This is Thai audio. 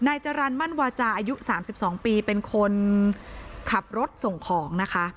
นายจรรมั่นวาจาอายุสามสิบสองปีเป็นคนขับรถส่งของนะคะ